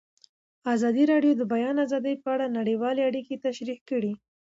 ازادي راډیو د د بیان آزادي په اړه نړیوالې اړیکې تشریح کړي.